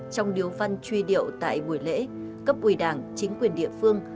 trong điếu văn truy điệu tại buổi lễ cấp ủy đảng chính quyền địa phương